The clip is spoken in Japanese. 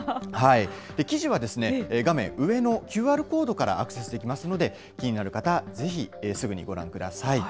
記事はですね、画面上のＱＲコードからアクセスできますので、気になる方はぜひ、すぐにご覧ください。